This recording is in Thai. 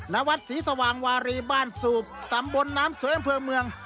ณวัดศรีสว่างวารีบ้านสูบตำบลน้ำสวยอำเภอเมือง